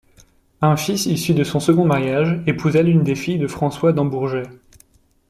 Un fils issu de son second mariage épousa l'une des filles de François Dambourgès.